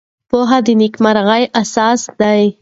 پوهه د نېکمرغۍ اساس دی.